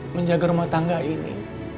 menjaga rumah tangga ini